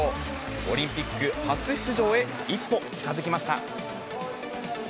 オリンピック初出場へ、一歩近づきました。